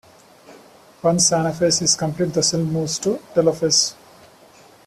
Once anaphase is complete, the cell moves into telophase.